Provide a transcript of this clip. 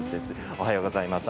おはようございます。